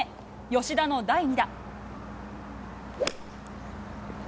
吉田の第２打。